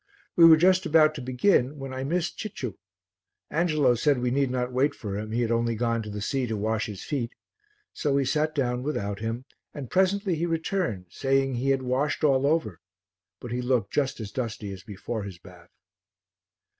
We were just about to begin when I missed Cicciu. Angelo said we need not wait for him, he had only gone to the sea to wash his feet. So we sat down without him and presently he returned saying he had washed all over, but he looked just as dusty as before his bath.